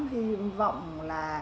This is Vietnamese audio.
hy vọng là